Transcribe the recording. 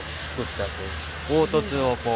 凹凸をこう。